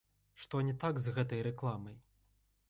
Што не так з гэтай рэкламай?